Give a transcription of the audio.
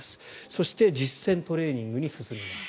そして実践トレーニングに進みます。